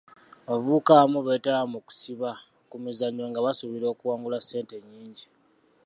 Abavubuka abamu beetaaba mu kusiba ku mizannyo nga basuubira okuwangula ssente ennyingi .